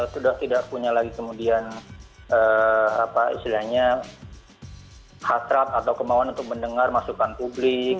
sudah tidak punya lagi kemudian hasrat atau kemauan untuk mendengar masukan publik